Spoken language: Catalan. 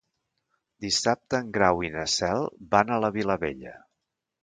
Dissabte en Grau i na Cel van a la Vilavella.